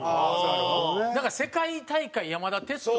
だから世界大会山田哲人